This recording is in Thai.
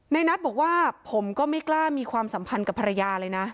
นัทบอกว่าผมก็ไม่กล้ามีความสัมพันธ์กับภรรยาเลยนะ